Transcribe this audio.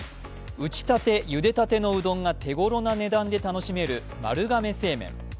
打ちたて、ゆでたてのうどんが手ごろな値段で楽しめる丸亀製麺。